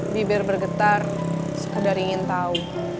bibir bergetar sekedar ingin tahu